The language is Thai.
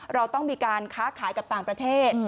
เราต้องมีการค้าขายกับต่างประเทศ